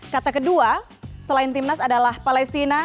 kata kedua selain timnas adalah palestina